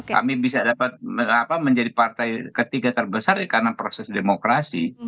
kami bisa dapat menjadi partai ketiga terbesar karena proses demokrasi